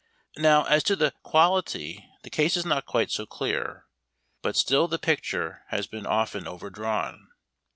Now, as to the quality the case is not quite so clear, but still the picture has been often overdrawn.